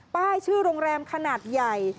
ป้ายชื่อโรงแรมขนาดใหญ่